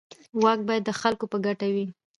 واک باید د خلکو په ګټه وي.